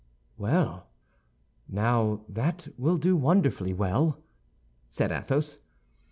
"Well, now that will do wonderfully well," said Athos.